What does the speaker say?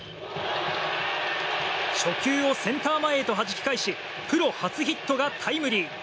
初球をセンター前へとはじき返しプロ初ヒットがタイムリー。